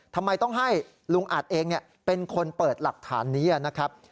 ทำไมต้องให้ลุงอัดเองเป็นคนเปิดหลักฐานนี้นะครับ